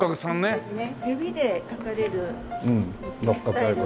そうですね。